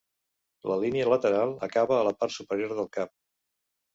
La línia lateral acaba a la part superior del cap.